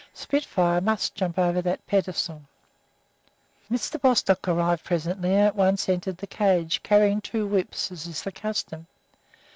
Spitfire must jump over that pedestal. Mr. Bostock arrived presently, and at once entered the cage, carrying two whips, as is the custom.